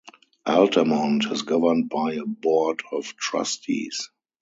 Altamont is governed by a Board of Trustees.